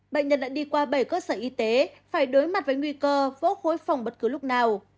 bệnh nhân đã đi qua bảy cơ sở y tế phải đối mặt với nguy cơ vỡ phòng bất cứ lúc nào